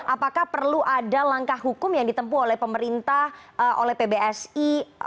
apakah perlu ada langkah hukum yang ditempu oleh pemerintah oleh pbsi